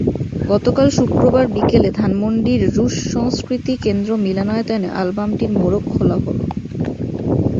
গতকাল শুক্রবার বিকেলে ধানমন্ডির রুশ সংস্কৃতিকেন্দ্র মিলনায়তনে অ্যালবামটির মোড়ক খোলা হলো।